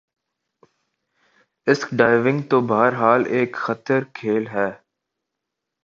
اسک diving تو بہر حال ایک خطر کھیل ہے